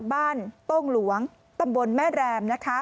โต้งหลวงตำบลแม่แรมนะคะ